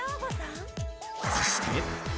そして。